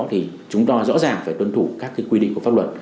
thì chúng ta rõ ràng phải tuân thủ các quy định của pháp luật